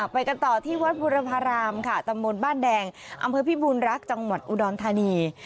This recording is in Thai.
ไปกันต่อที่วัดบุรพารามค่ะตำบลบ้านแดงอำเภอพิบูรณรักษ์จังหวัดอุดรธานี